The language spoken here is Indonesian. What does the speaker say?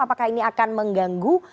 apakah ini akan mengganggu